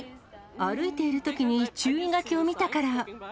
歩いているときに注意書きを見たから。